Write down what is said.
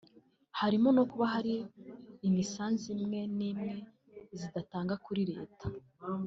harimo no kuba hari imisanzu imwe n’imwe zidatanga kuri leta